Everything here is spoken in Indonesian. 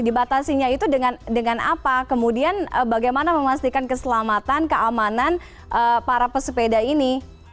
dibatasinya itu dengan apa kemudian bagaimana memastikan keselamatan keamanan para pesepeda ini